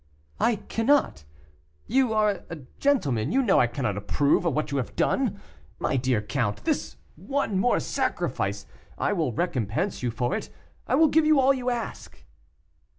"I cannot you are a gentleman, you know I cannot approve of what you have done. My dear count, this one more sacrifice; I will recompense you for it; I will give you all you ask."